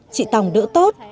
chị tòng đỡ tốt